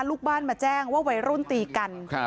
ช่องบ้านต้องช่วยแจ้งเจ้าหน้าที่เพราะว่าโดนฟันแผลเวิกวะค่ะ